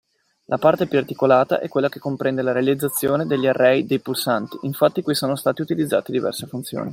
La parte più articolata è quella che comprende la realizzazione degli array dei pulsanti infatti qui sono stati utilizzate diverse funzioni.